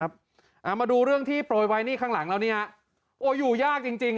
เอามาดูเรื่องที่โปรยไว้นี่ข้างหลังแล้วนี่ฮะโอ้อยู่ยากจริงจริง